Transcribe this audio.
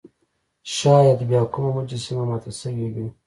شاید بیا کومه مجسمه ماته شوې وي.